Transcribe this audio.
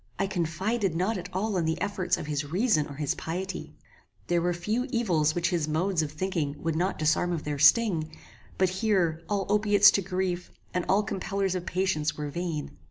I confided not at all in the efforts of his reason or his piety. There were few evils which his modes of thinking would not disarm of their sting; but here, all opiates to grief, and all compellers of patience were vain.